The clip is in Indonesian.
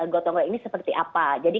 gotonggol ini seperti apa jadi